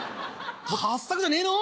はっさくじゃねえの？